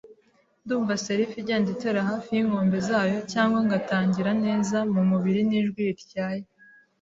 Ndumva serf igenda itera hafi yinkombe zayo cyangwa ngatangira neza muburiri nijwi rityaye